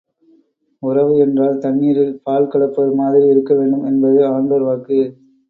உறவு என்றால் தண்ணீரில் பால் கலப்பது மாதிரி இருக்க வேண்டும் என்பது ஆன்றோர் வாக்கு.